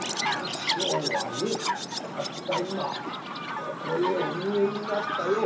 師匠はねたった今ここへお見えになったよ。